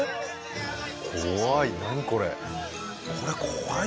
怖い。